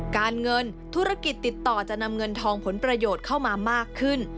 การเงินธุรกิจติดต่อจะนำเงินทองผลประโยชน์เข้ามามากขึ้น